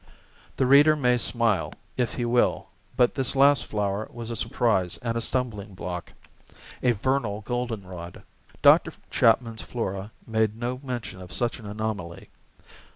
The reader may smile, if he will, but this last flower was a surprise and a stumbling block. A vernal goldenrod! Dr. Chapman's Flora made no mention of such an anomaly.